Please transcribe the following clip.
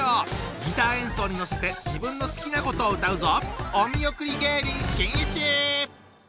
ギター演奏に乗せて自分の好きなことを歌うぞ！